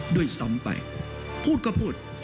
ด้วยซ้ำไปพูดก็พูด